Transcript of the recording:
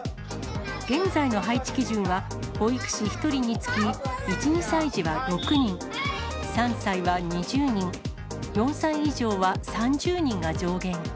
現在の配置基準は、保育士１人につき１、２歳児は６人、３歳は２０人、４歳以上は３０人が上限。